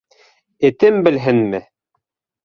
Этем белһенме?